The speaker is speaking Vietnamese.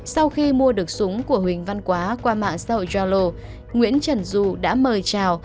sau khi mua được súng của huỳnh văn quá qua mạng seoul journal nguyễn trần du đã mời chào